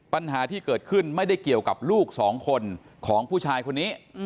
ปัญหาที่เกิดขึ้นไม่ได้เกี่ยวกับลูกสองคนของผู้ชายคนนี้